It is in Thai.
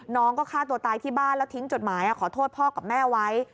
น้องก็ฆ่าตัวตายที่บ้านแล้วทิ้งจดหมายขอโทษพ่อกับแม่ไว้